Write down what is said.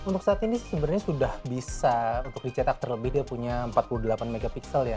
untuk saat ini sebenarnya sudah bisa untuk dicetak terlebih dia punya empat puluh delapan mp ya